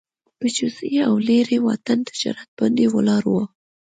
په جزیې او د لېرې واټن تجارت باندې ولاړه وه